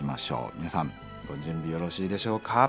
皆さんご準備よろしいでしょうか？